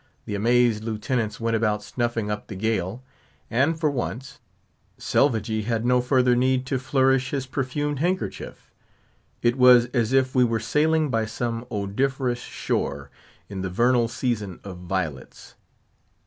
The amazed Lieutenants went about snuffing up the gale; and, for once. Selvagee had no further need to flourish his perfumed hand kerchief. It was as if we were sailing by some odoriferous shore, in the vernal season of violets.